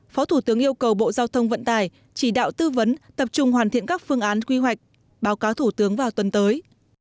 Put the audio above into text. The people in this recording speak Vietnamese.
phó thủ tướng yêu cầu bộ giao thông vận tải chỉ đạo tư vấn tập trung hoàn thiện các phương án quy hoạch báo cáo thủ tướng vào tuần tới